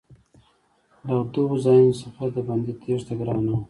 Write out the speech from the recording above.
له دغو ځایونو څخه د بندي تېښته ګرانه وه.